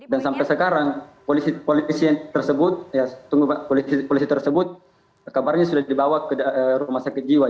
dan sampai sekarang polisi tersebut kabarnya sudah dibawa ke rukun